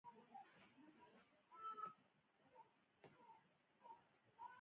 د شورا په سر کې به منتخب رییس وي.